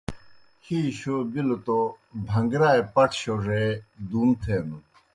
ہی شو بِلوْ توْ بھن٘گرائے پٹھہ شوڙے دُوم تھینَن۔